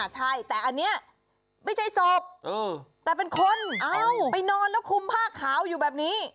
ใช่แต่อันนี้ไม่ใช่ศพแต่เป็นคนไปนอนแล้วคุมผ้าขาวอยู่แบบนี้